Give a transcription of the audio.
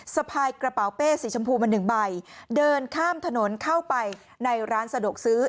สะพายกระเป๋าเป้สีชมพูมาหนึ่งใบเดินข้ามถนนเข้าไปในร้านสะดวกซื้อ